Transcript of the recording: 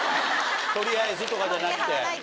「とりあえず」とかじゃなくて。